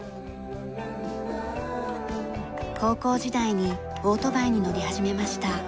高校時代にオートバイに乗り始めました。